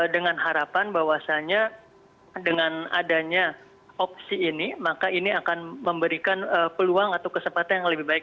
dengan harapan bahwasannya dengan adanya opsi ini maka ini akan memberikan peluang atau kesempatan yang lebih baik